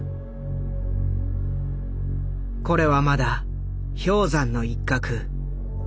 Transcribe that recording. これはまだ氷山の一角。